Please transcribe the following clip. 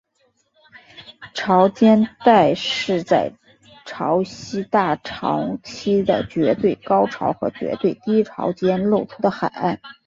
潮间带是在潮汐大潮期的绝对高潮和绝对低潮间露出的海岸。